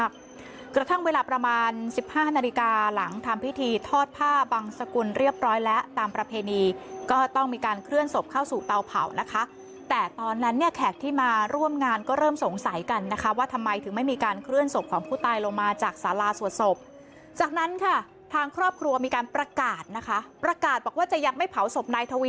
กระทั่งเวลาประมาณสิบห้านาฬิกาหลังทำพิธีทอดผ้าบังสกุลเรียบร้อยแล้วตามประเพณีก็ต้องมีการเคลื่อนศพเข้าสู่เตาเผานะคะแต่ตอนนั้นเนี่ยแขกที่มาร่วมงานก็เริ่มสงสัยกันนะคะว่าทำไมถึงไม่มีการเคลื่อนศพของผู้ตายลงมาจากสาราสวดศพจากนั้นค่ะทางครอบครัวมีการประกาศนะคะประกาศบอกว่าจะยังไม่เผาศพนายทวี